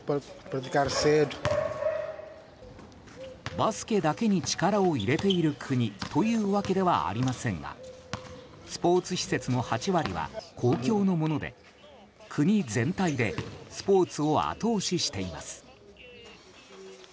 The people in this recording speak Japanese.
バスケだけに力を入れている国というわけではありませんがスポーツ施設の８割は公共のもので国全体でスポーツを後押ししています。